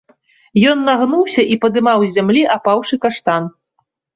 Ён нагнуўся і падымаў з зямлі апаўшы каштан.